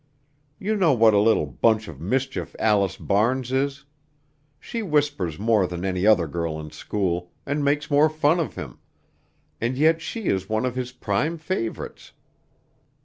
You know what a little bunch of mischief Alice Barnes is. She whispers more than any other girl in school, and makes more fun of him, and yet she is one of his prime favorites.